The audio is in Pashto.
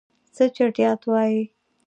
څه چټياټ وايي.